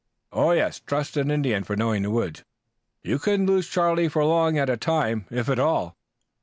"Yes. Trust an Indian for knowing the woods. You couldn't lose Charlie for long at a time, if at all."